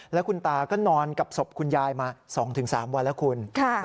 แล้วคุณตาก็นอนกับศพคุณยายมา๒๓วันแล้วคุณ